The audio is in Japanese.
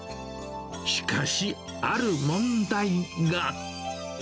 しかし、ある問題が。